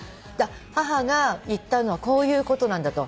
母が言ったのはこういうことなんだと。